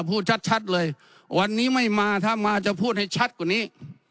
พูดชัดเลยวันนี้ไม่มาถ้ามาจะพูดให้ชัดกว่านี้